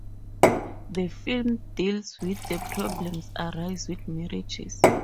The film deals with the problems arise with marriages.